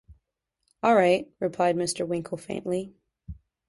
‘All right,’ replied Mr. Winkle faintly.